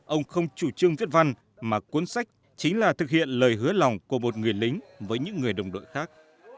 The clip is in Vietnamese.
ông không chủ trương viết văn mà cuốn sách chính là thực hiện lời hứa lòng của một người lính với những người đồng đội khác